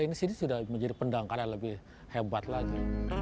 ini sudah menjadi pendangkara yang lebih hebat lagi